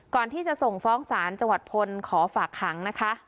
ก่อนที่จะส่งฟ้องสารจังหวัดพลขอฝากหาง